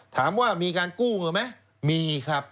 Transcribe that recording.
ถามว่ามีการกู้เงินไหมมีครับ